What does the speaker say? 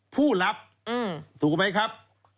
ผู้รับถูกไหมครับ